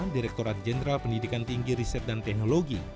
direkturat jenderal pendidikan tinggi riset dan teknologi